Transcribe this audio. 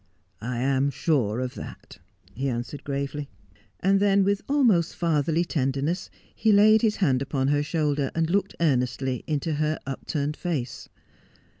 ' I am sure of that,' he answered gravely. And then with almost fatherly tenderness he laid his hand upon her shoulder, and looked earnestly into her upturned face.